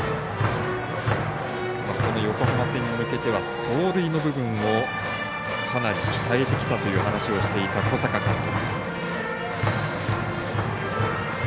横浜戦に向けては走塁の部分をかなり鍛えてきたという話をしていた、小坂監督。